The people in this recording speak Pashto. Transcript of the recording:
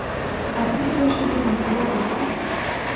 اصلي تراژیدي لا په لاره کې وه.